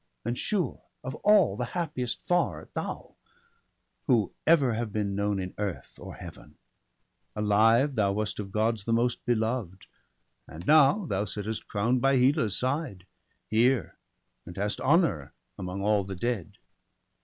And sure of all the happiest far art thou Who ever have been known in earth or Heaven ; Alive, thou wast of Gods the most beloved, And now thou sittest crown'd by Hela's side. Here, and hast honour among all the dead.'